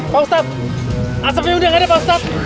pak ustaz asapnya udah gak ada pak ustaz